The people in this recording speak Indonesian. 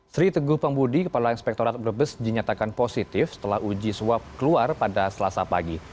sri teguh pembudi kepala inspektorat brebes dinyatakan positif setelah uji swab keluar pada selasa pagi